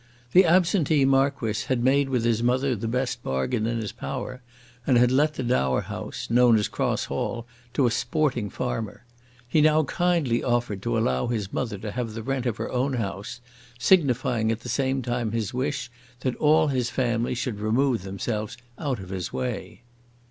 The absentee Marquis had made with his mother the best bargain in his power, and had let the dower house, known as Cross Hall, to a sporting farmer. He now kindly offered to allow his mother to have the rent of her own house, signifying at the same time his wish that all his family should remove themselves out of his way.